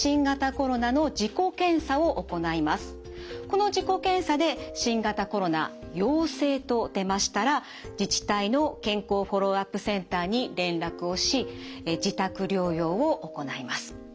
この自己検査で新型コロナ陽性と出ましたら自治体の健康フォローアップセンターに連絡をし自宅療養を行います。